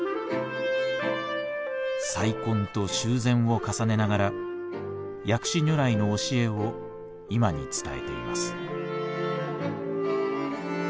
再建と修繕を重ねながら薬師如来の教えを今に伝えています。